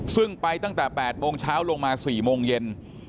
ซึ่งไปตั้งแต่๘โมงเช้าลงมา๔โมงเย็น